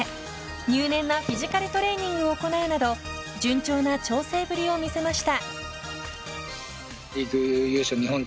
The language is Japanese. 入念なフィジカルトレーニングを行うなど順調な調整ぶりを見せました。